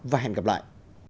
và hẹn gặp lại